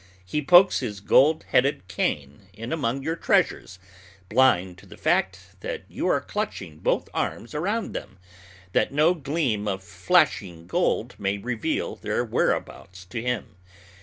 He pokes his gold headed cane in among your treasures, blind to the fact that you are clutching both arms around them, that no gleam of flashing gold may reveal their whereabouts to him.